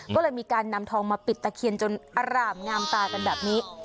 ก็เลยมีการนำทองมาปิดตะเคียนจนอร่ามงามตากันแบบนี้